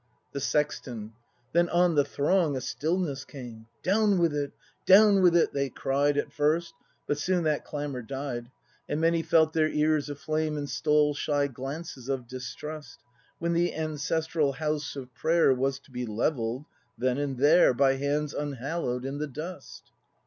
The Sexton. Then on the throng a stillness came. "Down with it! Down with it!" they cried At first; but soon that clamour died. And many felt their ears a flame. And stole shy glances of distrust, When the ancestral House of Prayer Was to be levell'd — then and there, — By hands unhallow'd, in the dust.